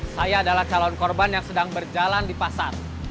saya adalah calon korban yang sedang berjalan di pasar